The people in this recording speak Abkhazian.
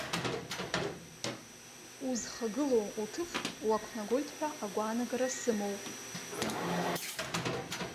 Узхагылоу уҭыԥ уақәнагоит ҳәа агәаанагара сымоуп.